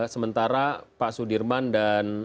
sementara pak sudirman dan